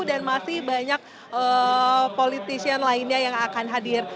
dan masih banyak politisian lainnya yang akan hadir